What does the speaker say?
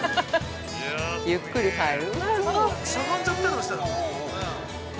◆ゆっくり入る。